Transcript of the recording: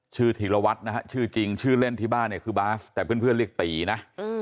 ธีรวัตรนะฮะชื่อจริงชื่อเล่นที่บ้านเนี่ยคือบาสแต่เพื่อนเรียกตีนะ